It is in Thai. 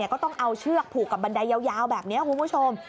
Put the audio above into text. ก็ต้องเอาเชือกผูกกับบันไดยาวแบบนี้คุณผู้ชม